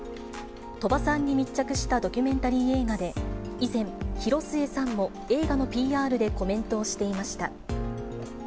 鳥羽さんに密着したドキュメンタリー映画で、以前、広末さんも映画のＰＲでコメントをしていました。